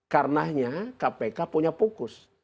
karenanya kpk punya fokus